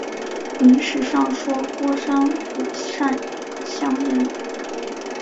明史上说郭山甫善相人。